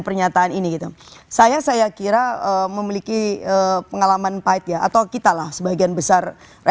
pernyataan ini gitu saya saya kira memiliki pengalaman pahit ya atau kita lah sebagian besar